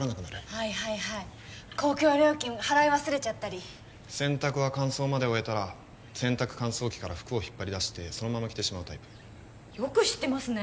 はいはいはい公共料金払い忘れちゃったり洗濯は乾燥まで終えたら洗濯乾燥機から服を引っ張り出してそのまま着てしまうタイプよく知ってますね